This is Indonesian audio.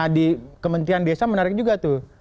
nah di kementerian desa menarik juga